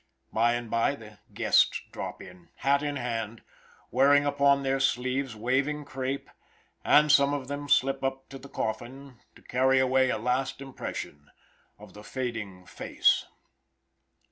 By and by the guests drop in, hat in hand, wearing upon their sleeves waving crape; and some of them slip up to the coffin to carry away a last impression of the fading face.